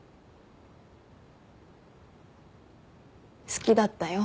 好きだったよ。